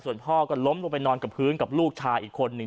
ส่วนพ่อก็ล้มลงไปนอนกับพื้นกับลูกชายอีกคนหนึ่ง